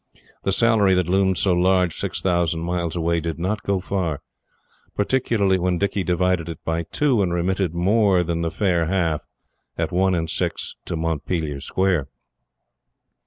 The salary that loomed so large six thousand miles away did not go far. Particularly when Dicky divided it by two, and remitted more than the fair half, at 1 6, to Montpelier Square.